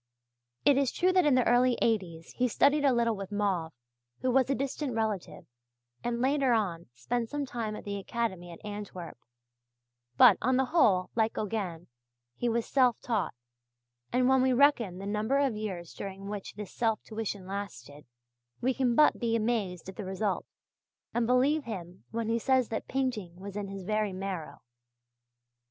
It is true that in the early 'eighties he studied a little with Mauve, who was a distant relative, and later on spent some time at the Academy at Antwerp; but, on the whole, like Gauguin, he was self taught, and when we reckon the number of years during which this self tuition lasted, we can but be amazed at the result, and believe him when he says that painting was in his very marrow (page 16).